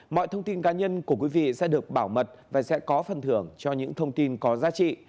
mọi thông tin cá nhân của quý vị sẽ được bảo mật và sẽ có phần thưởng cho những thông tin có giá trị